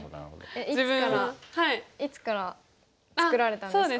いつから作られたんですか？